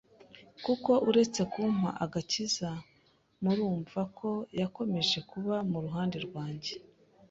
kuko uretse kumpa agakiza mururmva ko yakomeje kuba muruhande rwanjye